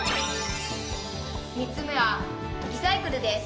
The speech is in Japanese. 「３つ目はリサイクルです。